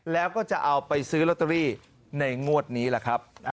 แล้วก็จะเอาไปซื้อลอตเตอรี่ในงวดนี้แหละครับ